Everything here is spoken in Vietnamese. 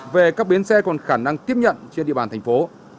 về các bến xe còn khả năng tiếp nhận trên địa bàn thành phố